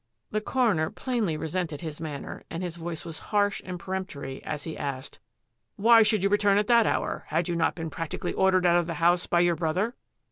The coroner plainly resented his manner, and his voice was harsh and peremptory as he asked, " Why should you return at that hour? Had you not been practically ordered out of the house by your brother?"